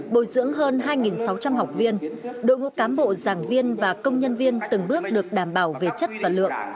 bồi dưỡng hơn hai sáu trăm linh học viên đội ngũ cán bộ giảng viên và công nhân viên từng bước được đảm bảo về chất và lượng